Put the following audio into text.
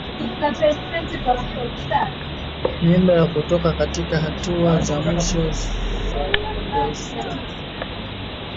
Mimba kutoka katika hatua za mwisho za ujauzito